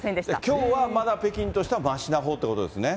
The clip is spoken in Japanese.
きょうはまだ北京としてはましなほうってことですね？